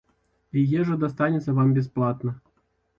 І ежа дастанецца вам бясплатна.